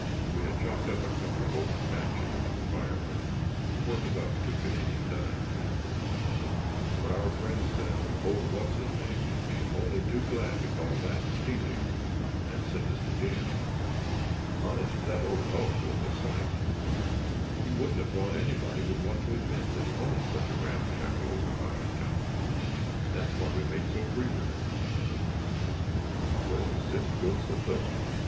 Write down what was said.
We had chopped up a couple of old stanchions for firewood—worth about two Canadian dimes, they were, but our friend said old What's his name would be only too glad to call that stealing and send us to jail. Honest, that old hulk was a sight. You wouldn't have thought anybody would want to admit that he owned such a ramshackle old pile of junk and that's why we made so free with it. "Well, zip goes the fillum!